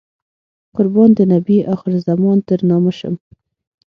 قربان د نبي اخر الزمان تر نامه شم.